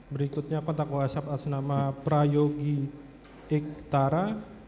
berikutnya kontak whatsapp atas nama prayogi iktara